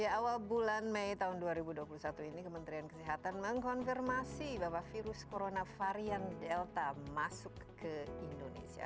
awal bulan mei tahun dua ribu dua puluh satu ini kementerian kesehatan mengkonfirmasi bahwa virus corona varian delta masuk ke indonesia